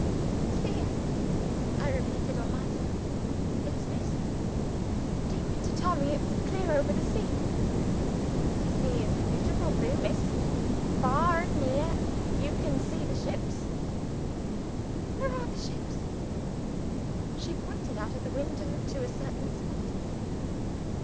"Clear?" I repeated on my side. "Yes, Miss!" "Do you mean to tell me it's clear over the sea?" "The sea is a beautiful blue, Miss. Far and near, you can see the ships." "Where are the ships?" She pointed, out of the window, to a certain spot.